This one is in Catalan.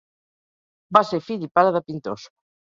Va ser fill i pare de pintors.